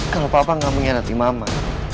kalau papa nggak mengkhianati mama